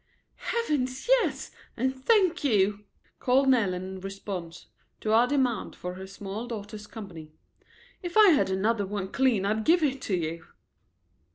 "Heavens, yes, and thank you," called Nell in response to our demand for her small daughter's company. "If I had another one clean, I'd give it to you."